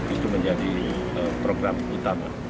itu menjadi program utama